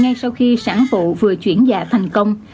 ngay sau khi sản phụ vừa chuyển dạ thành công